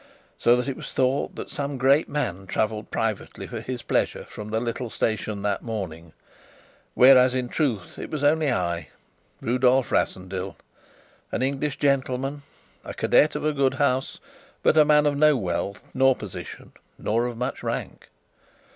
So that it was thought some great man travelled privately for his pleasure from the little station that morning; whereas, in truth it was only I, Rudolf Rassendyll, an English gentleman, a cadet of a good house, but a man of no wealth nor position, nor of much rank.